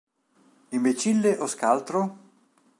Imbecille o scaltro?